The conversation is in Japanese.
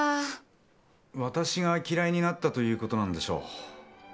わたしが嫌いになったということなんでしょう。